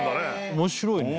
面白いね。